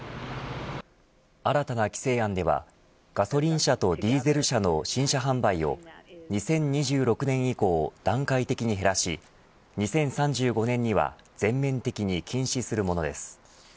新たな規制案ではガソリン車とディーゼル車の新車販売を２０２６年以降、段階的に減らし２０３５年には全面的に禁止するものです。